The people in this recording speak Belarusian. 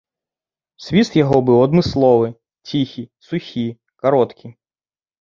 Свіст яго быў адмысловы, ціхі, сухі, кароткі.